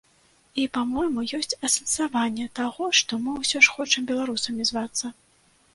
І, па-мойму, ёсць асэнсаванне таго, што мы ўсё ж хочам беларусамі звацца.